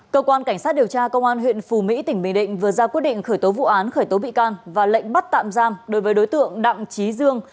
cơ quan cảnh sát điều tra công an huyện phù mỹ tỉnh bình định vừa ra quyết định khởi tố vụ án khởi tố bị can và lệnh bắt tạm giam đối với đối tượng đặng trí dương